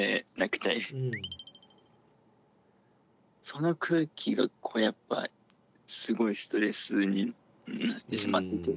その空気がやっぱすごいストレスになってしまってて。